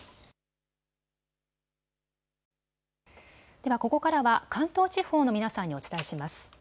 ではここからは関東地方の皆さんにお伝えします。